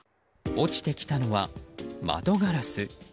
落ちてきたのは窓ガラス。